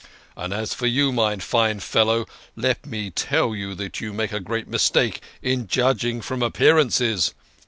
And as for you, my fine fellow, let me tell you that you make a great mistake in judging from appearances.